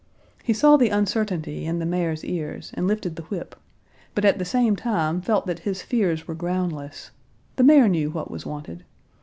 He saw the uncertainty in the mare's ears and lifted the whip, but at the same time felt that his fears were groundless; the mare knew what was wanted.